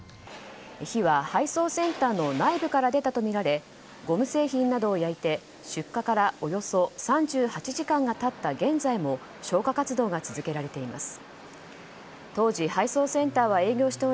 火は配送センターの内部から出たとみられゴム製品などを焼いて出火からおよそ３８時間が経った現在も消火活動が続けられています。